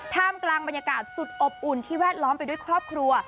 ท่ามกลางบรรยากาศสุดอบอุ่นที่แวดล้อมไปด้วยครอบครัว